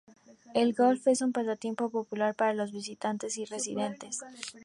El golf es un pasatiempo popular para los visitantes y residentes.